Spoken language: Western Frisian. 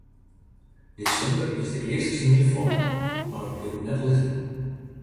Desimber is de earste snie fallen, mar it bliuw net lizzen.